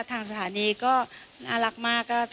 ทางสถานีก็น่ารักมาก